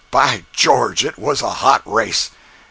By George, it was a hot race!